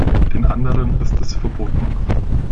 Den anderen ist es verboten.